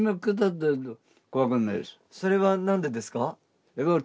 それは何でですか？